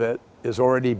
kita tidak harus